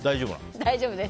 大丈夫です。